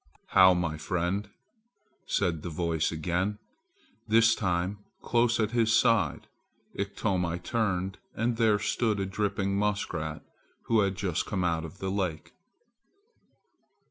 "How, my friend!" said the voice again, this time close at his side. Iktomi turned and there stood a dripping muskrat who had just come out of the lake.